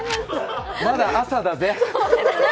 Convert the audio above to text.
まだ朝だぜ！